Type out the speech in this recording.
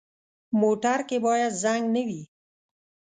موټر کې باید زنګ نه وي.